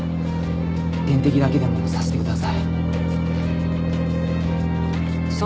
点滴だけでもさせてください。